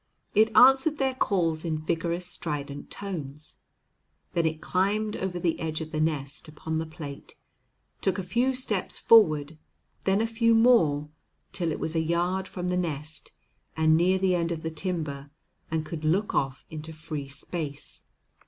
It answered their calls in vigorous, strident tones. Then it climbed over the edge of the nest upon the plate, took a few steps forward, then a few more, till it was a yard from the nest and near the end of the timber, and could look off into free space.